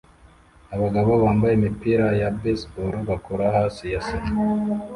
Abagabo bambaye imipira ya baseball bakora hasi ya sima